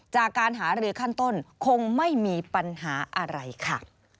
จากการหารือขั้นต้นคงไม่มีปัญหาอะไรค่ะ